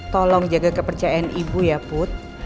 tolong jaga kepercayaan ibu ya put